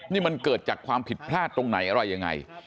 นี่มันเกิดจากความผิดพลาดตรงไหนอะไรยังไง